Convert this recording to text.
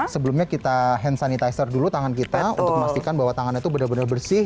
sebelumnya kita hand sanitizer dulu tangan kita untuk memastikan bahwa tangannya itu benar benar bersih